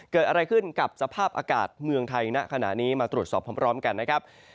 เกิดอะไรขึ้นกับสภาพอากาศเมืองไทยณขณะนี้มาตรวจสอบพร้อมกันนะครับ